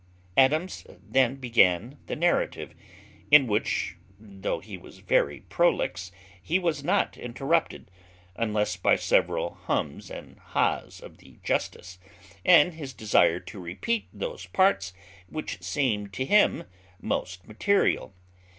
Adams then began the narrative, in which, though he was very prolix, he was uninterrupted, unless by several hums and hahs of the justice, and his desire to repeat those parts which seemed to him most material.